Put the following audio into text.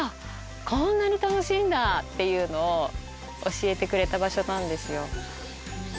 こんなに楽しいんだ！っていうのを教えてくれた場所なんですよ。